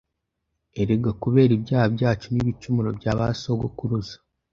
Erega kubera ibyaha byacu n’ibicumuro bya ba sogokuruza,